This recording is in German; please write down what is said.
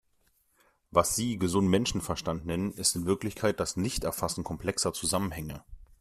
Was Sie gesunden Menschenverstand nennen, ist in Wirklichkeit das Nichterfassen komplexer Zusammenhänge.